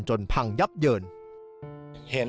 พังยับเยิน